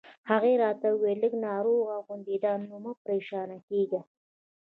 هغې راته وویل: لږ ناروغه غوندې ده، نو مه پرېشانه کېږه.